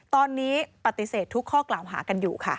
ตอนนี้ปฏิเสธทุกข้อกล่าวหากันอยู่ค่ะ